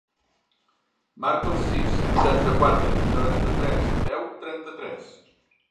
Marca el sis, vuitanta-quatre, noranta-tres, deu, trenta-tres.